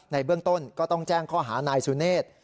ในเบื้องต้นก็ต้องแจ้งข้อหานายสุเนธ